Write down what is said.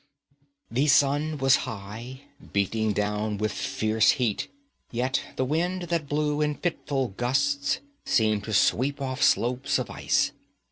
The sun was high, beating down with fierce heat, yet the wind that blew in fitful gusts seemed to sweep off slopes of ice.